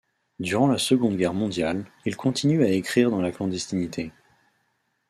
Durant la Seconde Guerre mondiale, il continue à écrire dans la clandestinité.